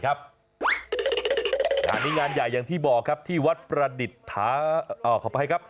อันนี้งานใหญ่อย่างบอกที่วัดประดิษฐาขอบใครครับ